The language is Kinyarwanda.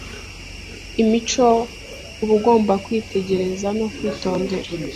imico uba ugomba kwitegereza no kwitondera